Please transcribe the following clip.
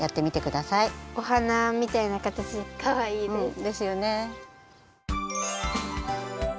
おはなみたいなかたちでかわいいです。ですよね。